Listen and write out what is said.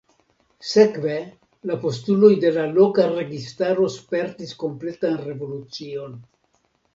Sekve la postuloj de la loka registaro spertis kompletan revolucion.